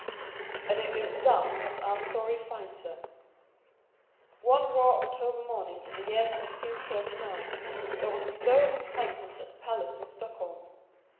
And it is thus that our story finds her. One raw October morning in the year 1639, there was stir and excitement at the palace in Stockholm.